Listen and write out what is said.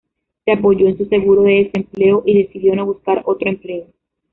Se apoyó en su seguro de desempleo y decidió no buscar otro empleo.